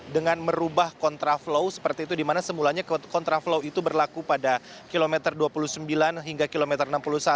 dengan merubah kontraflow seperti itu di mana semulanya kontraflow itu berlaku pada kilometer dua puluh sembilan hingga kilometer enam puluh satu